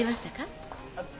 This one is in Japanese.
あっ。